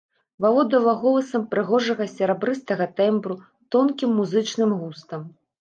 Валодала голасам прыгожага серабрыстага тэмбру, тонкім музычным густам.